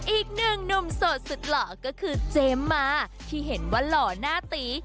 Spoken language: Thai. อีกหนึ่งหนุ่มโสดสุดหล่อก็คือเจมส์มาที่เห็นว่าหล่อหน้าตี